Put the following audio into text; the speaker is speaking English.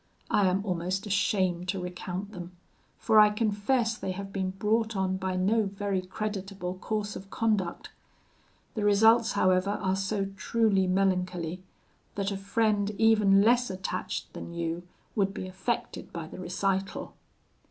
I am almost ashamed to recount them, for I confess they have been brought on by no very creditable course of conduct: the results, however, are so truly melancholy, that a friend even less attached than you would be affected by the recital.'